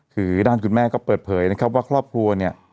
คือด้านคุณแม่ก็เปิดเผยนะครับว่าครอบครัวเนี่ย